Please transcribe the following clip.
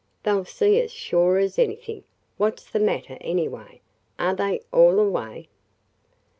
They 'll see us sure as anything! What 's the – matter, anyway? Are they – all away?"